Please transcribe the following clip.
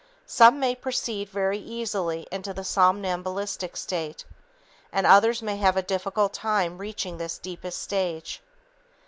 Some may proceed very easily into the somnambulistic state, and others may have a difficult time reaching this deepest stage.